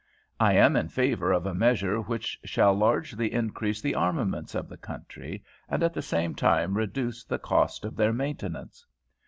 "I am in favour of a measure which shall largely increase the armaments of the country, and at the same time reduce the cost of their maintenance.